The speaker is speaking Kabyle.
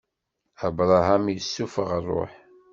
Abṛaham issufeɣ ṛṛuḥ.